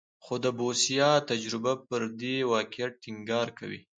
خو د بوسیا تجربه پر دې واقعیت ټینګار کوي.